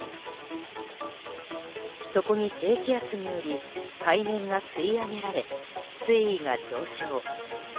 そこに低気圧により海面が吸い上げられ水位が上昇。